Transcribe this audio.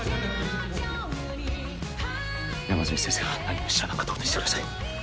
山住先生は何も知らなかったことにしてください